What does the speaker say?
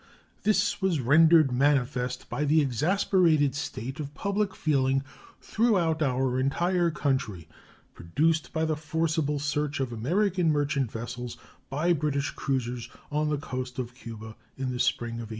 This was rendered manifest by the exasperated state of public feeling throughout our entire country produced by the forcible search of American merchant vessels by British cruisers on the coast of Cuba in the spring of 1858.